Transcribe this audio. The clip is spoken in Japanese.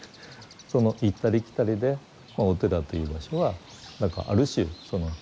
その行ったり来たりでお寺という場所は何かある種日頃のですね